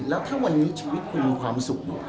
แล้วถ้าวันนี้ชีวิตคุณมีความสุข